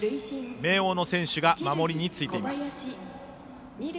明桜の選手が守りについています。